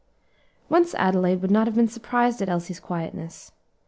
Once Adelaide would not have been surprised at Elsie's quietness.